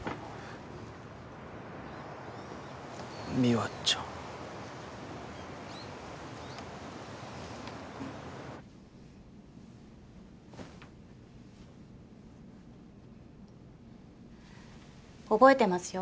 美和ちゃん覚えてますよ